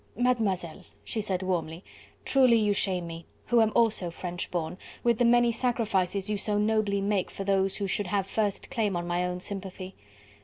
"Mademoiselle," she said warmly, "truly you shame me, who am also French born, with the many sacrifices you so nobly make for those who should have first claim on my own sympathy.